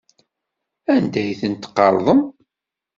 Anda ay ten-tqerḍem?